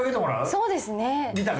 そうですね。